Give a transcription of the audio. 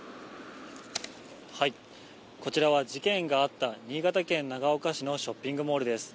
こちらは事件があった新潟県長岡市のショッピングモールです。